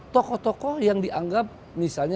tokoh tokoh yang dianggap misalnya